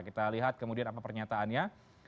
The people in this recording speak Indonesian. kita lihat kemudian apa pernyataannya